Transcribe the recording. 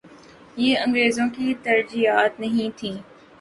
یہ انگریزوں کی ترجیحات نہیں تھیں۔